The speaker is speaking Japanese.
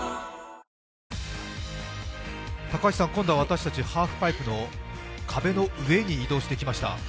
高橋さん、今度は私たちハーフパイプの壁の上に移動してきました。